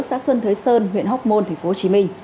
xã xuân thới sơn huyện hóc môn tp hcm